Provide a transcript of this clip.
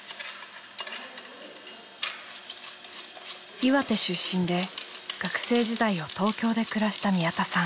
岩手出身で学生時代を東京で暮らした宮田さん。